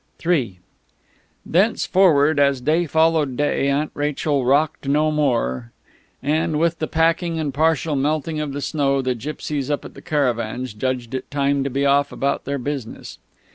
III Thenceforward, as day followed day, Aunt Rachel rocked no more; and with the packing and partial melting of the snow the gipsies up at the caravans judged it time to be off about their business.